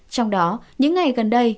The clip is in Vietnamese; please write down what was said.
trong đó những ngày gần đây